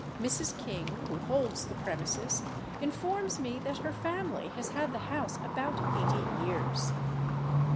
Mrs. King, who holds the premises, informs me that her family has had the house about eighty years.